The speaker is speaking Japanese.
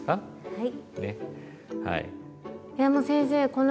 はい。